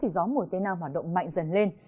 gió mùa tây nam hoạt động mạnh dần lên